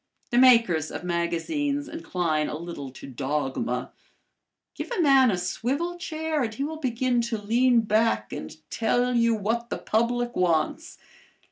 The makers of magazines incline a little to dogma. Give a man a swivel chair and he will begin to lean back and tell you what the public wants.